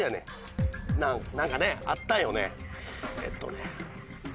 何かねあったよねえっとね。